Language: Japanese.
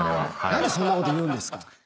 何でそんなこと言うんですか。